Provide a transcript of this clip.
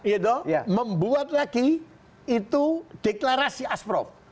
itu membuat lagi itu deklarasi asprof